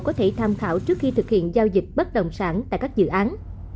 có thể tham khảo trước khi thực hiện giao dịch bất đồng sản tại các dự án